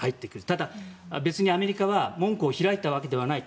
ただ、別にアメリカは門戸を開いたわけではない。